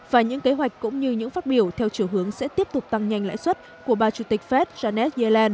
và những kế hoạch cũng như những phát biểu theo chiều hướng sẽ tiếp tục tăng nhanh lãi suất của bà chủ tịch fed janet yellen